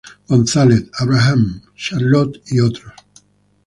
González- Abraham, Charlotte et al.